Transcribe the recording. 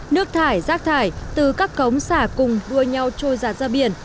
nước thải rác thải từ các cống xả cùng đua nhau trôi giặt ra biển